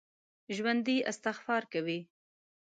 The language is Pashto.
ژوندي استغفار کوي